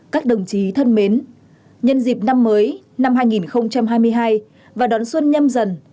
các đồng chí thân mến nhân dịp năm mới năm hai nghìn hai mươi hai và đón xuân nhâm dần